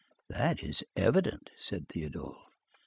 "That is evident," said Théodule.